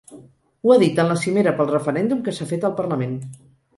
Ho ha dit en la cimera pel referèndum que s’ha fet al parlament.